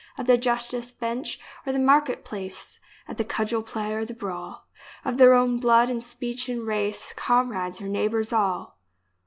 At the justice bench and the market place, At the cudgel play or brawl, Of their own blood and speech and race, Comrades or neighbours all